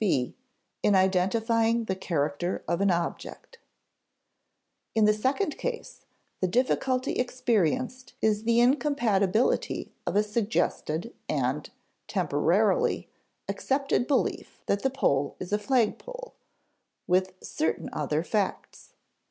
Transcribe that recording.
[Sidenote: (b) in identifying the character of an object] In the second case, the difficulty experienced is the incompatibility of a suggested and (temporarily) accepted belief that the pole is a flagpole, with certain other facts.